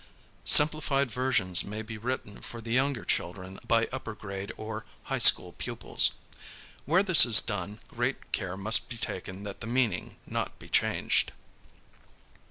Simplified ver sions may be written for the younger children by upper grade or high school pupils. Where this is done, great care must be taken that the meaning not be changed.